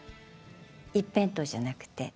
一辺倒じゃなくて。